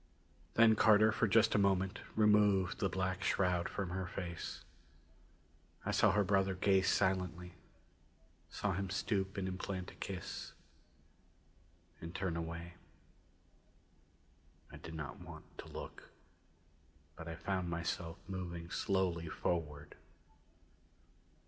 Then Carter for just a moment removed the black shroud from her face. I saw her brother gaze silently; saw him stoop and implant a kiss and turn away. I did not want to look, but I found myself moving slowly forward.